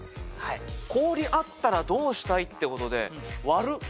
「氷あったらどうしたい？」ってことで「割る」。